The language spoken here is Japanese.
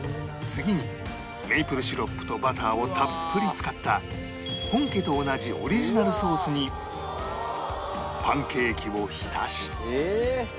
次にメイプルシロップとバターをたっぷり使った本家と同じオリジナルソースにパンケーキを浸し